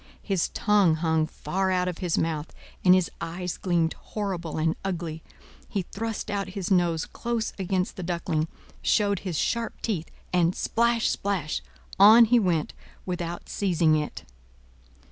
His tongue hung far out of his mouth, and his eyes gleamed horrible and ugly; he thrust out his nose close against the Duckling, showed his Sharp teeth, and—splash, splash!—on he went, without seizing it.